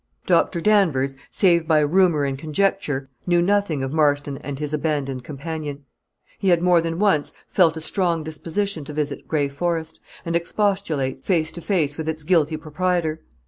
Doctor Danvers, save by rumor and conjecture, knew nothing of Marston and his abandoned companion. He had, more than once, felt a strong disposition to visit Gray Forest, and expostulate, face to face, with its guilty proprietor.